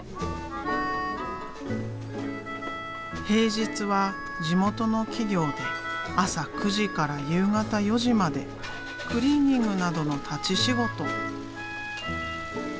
平日は地元の企業で朝９時から夕方４時までクリーニングなどの立ち仕事。